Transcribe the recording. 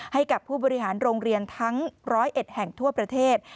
ให้กับผู้บริหารโรงเรียนทั้ง๑๐๑แห่งทั่วประเทศ